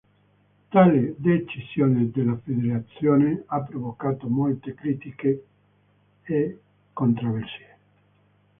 Tale decisione della federazione ha provocato molte critiche e controversie.